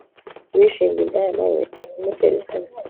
uwishinga indaya na we, ntakimutera isoni